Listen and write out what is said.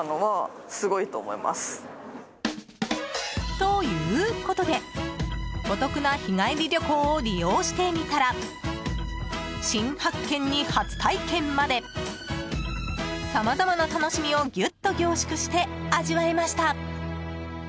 ということでお得な日帰り旅行を利用してみたら新発見に初体験までさまざまな楽しみをギュッと凝縮して味わえました。